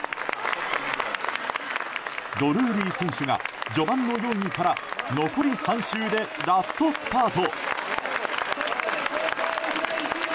ドルーリー選手が序盤の４位から残り半周でラストスパート。